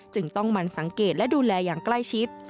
จึงต้องมันสังเกตและดูแลอย่างใกล้ชิด